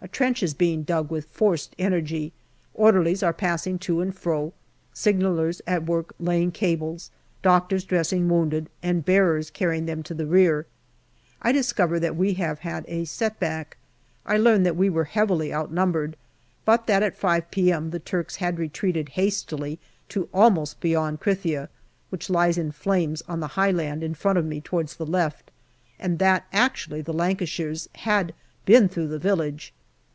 A trench is being dug with forced energy, orderlies are passing to and fro, signallers at work laying cables, doctors dressing wounded, and bearers carrying them to the rear. I discover that we have had a set back. I learn that we were heavily outnumbered, but that at 5 p.m. the Turks had retreated hastily to almost beyond Krithia, which lies in flames on the high land in front of me towards the left, and that actually the Lancashires had been through the village.